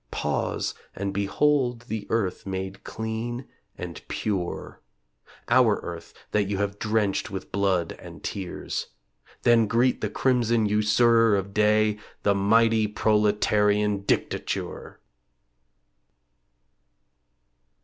Pause and behold the earth made clean and pure Our earth, that you have drenched with blood and tears Then greet the crimson usurer of Day, The mighty Proletarian Dictature!